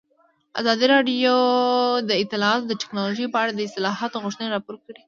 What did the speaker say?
ازادي راډیو د اطلاعاتی تکنالوژي په اړه د اصلاحاتو غوښتنې راپور کړې.